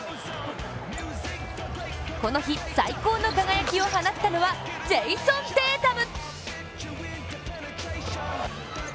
この日、最高の輝きを放ったのはジェイソン・テイタム。